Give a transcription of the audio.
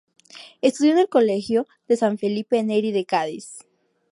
Estudió en el colegio de San Felipe Neri de Cádiz.